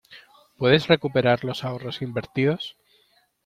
¿Puedes recuperar los ahorros invertidos?